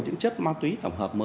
những chất ma túy tổng hợp mới